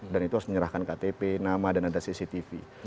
dan itu harus menyerahkan ktp nama dan ada cctv